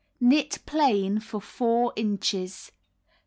Knit plain for 4^ inches.